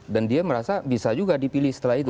dan dia merasa bisa juga dipilih setelah itu